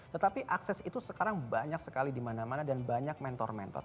tetapi akses itu sekarang banyak sekali di mana mana dan banyak mentor mentor